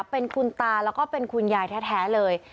เป็นคุณตาแล้วก็เป็นคุณยายแท้เลย